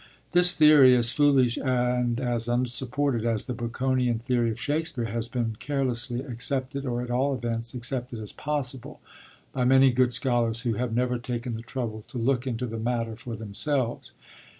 This theory, as foolish and as unsupported as the Baconian theory of Shakespeare, has been carelessly accepted, or at all events accepted as possible, by many good scholars who have never taken the trouble to look into the matter for themselves.